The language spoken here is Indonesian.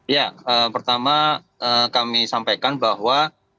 ya pertama kami sampaikan bahwa